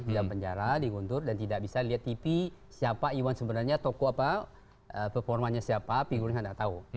di dalam penjara di guntur dan tidak bisa lihat tv siapa iwan sebenarnya tokoh apa performanya siapa figurnya nggak tahu